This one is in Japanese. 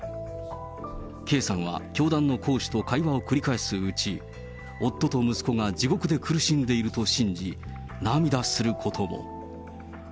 Ｋさんは教団の講師と会話を繰り返すうち、夫と息子が地獄で苦しんでいると信じ、涙することも。